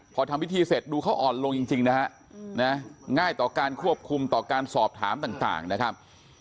พอทำพิธีเสร็จดูเขาอ่อนลงจริงนะฮะง่ายต่อการควบคุมต่อการสอบถามต่างนะครับ